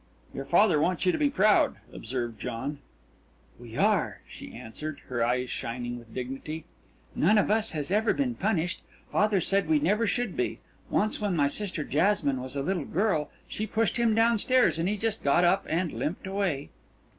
"Your father wants you to be proud," observed John. "We are," she answered, her eyes shining with dignity. "None of us has ever been punished. Father said we never should be. Once when my sister Jasmine was a little girl she pushed him downstairs and he just got up and limped away.